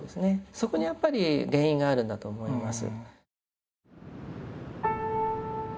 そこにやっぱり原因があるんだと思います。